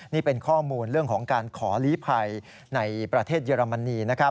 นี่เป็นข้อมูลเรื่องของการขอลีภัยในประเทศเยอรมนีนะครับ